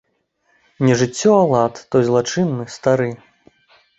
Не жыццё, а лад, той злачынны стары.